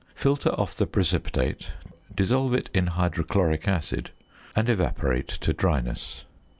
Filter off the precipitate, dissolve it in hydrochloric acid, and evaporate to dryness.